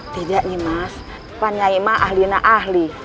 tidak nih mas pan nyai ma ahli nah ahli